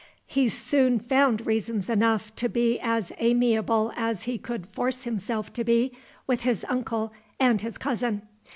He soon found reasons enough to be as amiable as he could force himself to be with his uncle and his cousin.